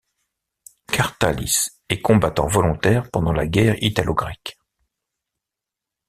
Kartális est combattant volontaire pendant la guerre italo-grecque.